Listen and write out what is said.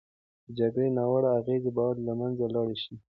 د جګړې ناوړه اغېزې باید له منځه لاړې شي.